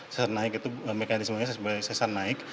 sesar naik itu mekanismenya sesar naik